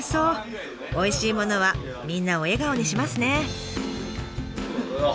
おいしいものはみんなを笑顔にしますね。